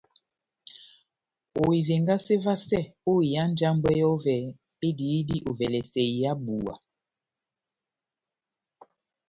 Ohivengase vasɛ ó iha njambwɛ yɔvɛ ediyidi ovɛlɛsɛ iha búwa.